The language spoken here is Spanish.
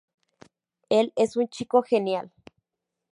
Él es un chico genial.